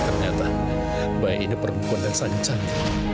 ternyata bayi ini perbukuan dan sangat cantik